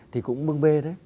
thì cũng bưng bê đấy